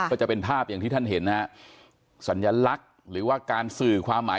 ก็จะเป็นภาพอย่างที่ท่านเห็นนะฮะสัญลักษณ์หรือว่าการสื่อความหมาย